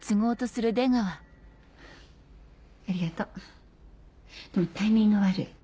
ありがとうでもタイミング悪い。